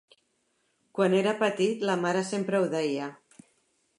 Quan era petit la mare sempre ho deia.